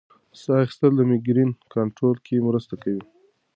ساه اخیستل د مېګرین کنټرول کې مرسته کوي.